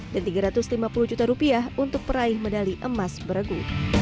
dan rp tiga ratus lima puluh juta untuk peraih medali emas beregu